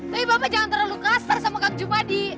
tapi bapak jangan terlalu kasar sama kang jumadi